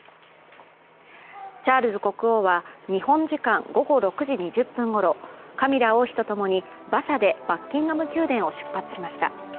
チャールズ国王は日本時間午後６時２０分ごろ、カミラ王妃と共に馬車でバッキンガム宮殿を出発しました。